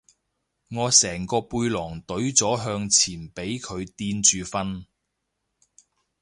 我成個背囊隊咗向前俾佢墊住瞓